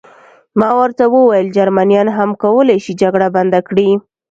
ما ورته وویل: جرمنیان هم کولای شي جګړه بنده کړي.